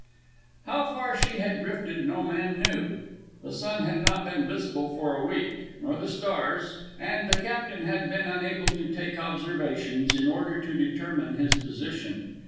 How far she had drifted no man knew. The sun had not been visible for a week, nor the stars, and the captain had been unable to take observations in order to determine his position.